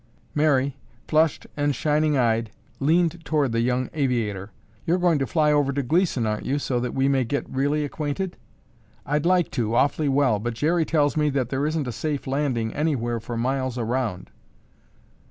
Mary, flushed and shining eyed, leaned toward the young aviator. "You're going to fly over to Gleeson, aren't you, so that we may get really acquainted?" "I'd like to, awfully well, but Jerry tells me that there isn't a safe landing anywhere for miles around."